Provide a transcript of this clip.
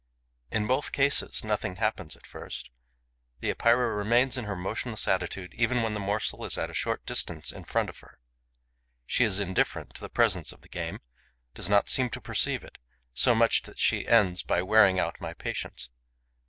In both cases, nothing happens at first. The Epeira remains in her motionless attitude, even when the morsel is at a short distance in front of her. She is indifferent to the presence of the game, does not seem to perceive it, so much so that she ends by wearing out my patience.